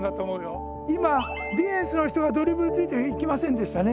今ディフェンスの人がドリブルついていきませんでしたね。